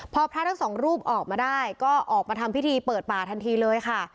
พอพระทั้งสองรูปออกมาได้ก็ออกมาทำพิธีเปิดป่าทันทีเลยค่ะ